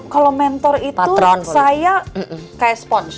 kalau mentor itu saya kayak spons